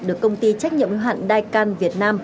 được công ty trách nhiệm hạn daikan việt nam